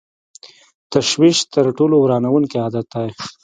تشویش تر ټولو ورانوونکی عادت دی.